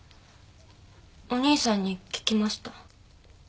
お兄さんに聞きました。